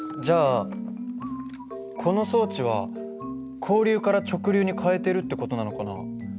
じゃあこの装置は交流から直流に変えてるって事なのかな。